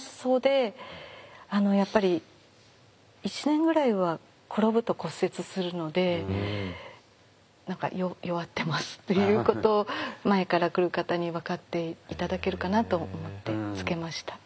やっぱり１年ぐらいは転ぶと骨折するので何か「弱ってます」っていうことを前から来る方に分かって頂けるかなと思って付けました。